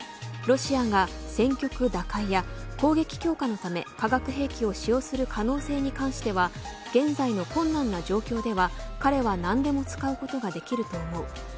ロシアが戦局打開や攻撃強化のため化学兵器を使用する可能性に関しては現在の困難な状況では彼は何でも使うことができると思う。